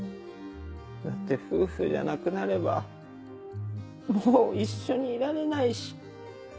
だって夫婦じゃなくなればもう一緒にいられないし。